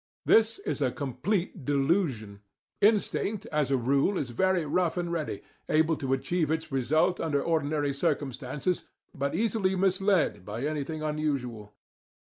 This is a complete delusion. Instinct, as a rule, is very rough and ready, able to achieve its result under ordinary circumstances, but easily misled by anything unusual.